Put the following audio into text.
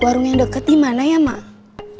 warung yang deket di mana ya mak